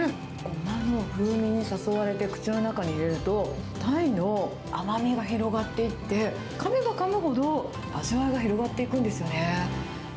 ゴマの風味に誘われて、口の中に入れると、鯛の甘みが広がっていって、かめばかむほど味わいが広がっていくんですよね。